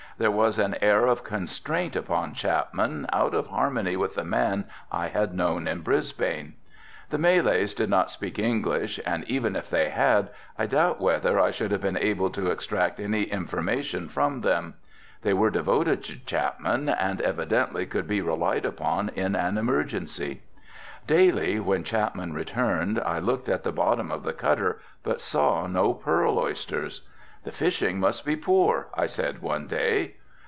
There was an air of constraint upon Chapman out of harmony with the man I had known in Brisbane. The Malays did not speak English, and even if they had, I doubt whether I should have been able to extract any information from them. They were devoted to Chapman and evidently could be relied upon in an emergency. Daily when Chapman returned I looked in the bottom of the cutter but saw no pearl oysters. "The fishing must be poor," I said one day.